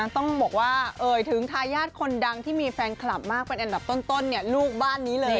ต้องบอกว่าเอ่ยถึงทายาทคนดังที่มีแฟนคลับมากเป็นอันดับต้นลูกบ้านนี้เลย